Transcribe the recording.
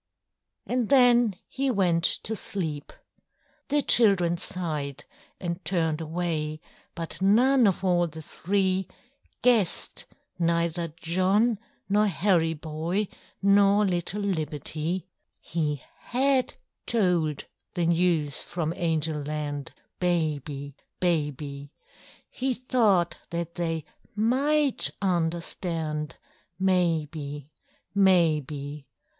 And then he went to sleep. The children sighed and turned away: But none of all the three Guessed, neither John nor Harry Boy, Nor little Libbety, He had told the news from Angel Land, Baby, baby, He thought that they might understand, Maybe, maybe.